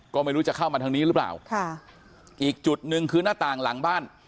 ก็ไม่รู้จะเข้ามาทางนี้หรือเปล่าค่ะอีกจุดหนึ่งคือหน้าต่างหลังบ้าน